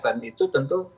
dan itu tentu